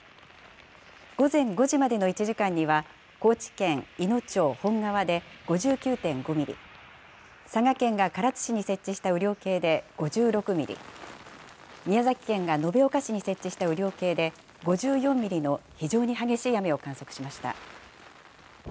午前５時までの１時間には、高知県いの町本川で５９．５ミリ、佐賀県が唐津市に設置した雨量計で５６ミリ、宮崎県が延岡市に設置した雨量計で５４ミリの非常に激しい雨を観測しました。